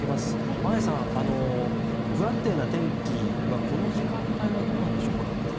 眞家さん、不安定な天気はこの時間帯はどうなんでしょう。